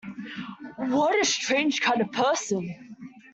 What a strange kind of person!